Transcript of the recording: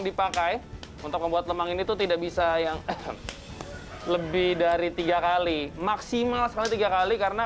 dipakai untuk membuat lemang ini tuh tidak bisa yang lebih dari tiga kali maksimal sekali tiga kali karena